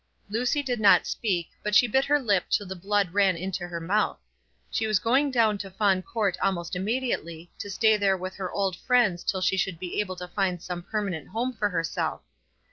Lucy did not speak, but she bit her lip till the blood ran into her mouth. She was going down to Fawn Court almost immediately, to stay there with her old friends till she should be able to find some permanent home for herself.